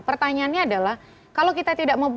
pertanyaannya adalah kalau kita tidak mau